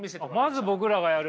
まず僕らがやる？